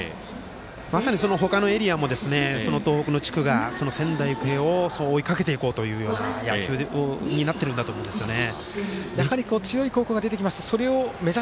まさに他のエリアも東北の地区が仙台育英を追いかけていこうという野球になってると思うんですね。